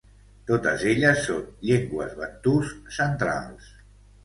Totes elles són llengües bantus centrals.